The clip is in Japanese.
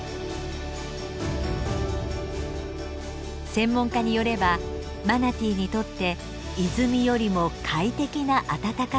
専門家によればマナティーにとって泉よりも快適なあたたかさだといいます。